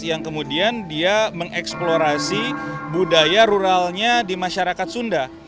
yang kemudian dia mengeksplorasi budaya ruralnya di masyarakat sunda